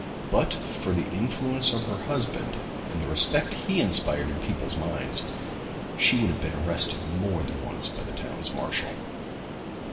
But for the influence of her husband and the respect he inspired in people's minds she would have been arrested more than once by the town marshal.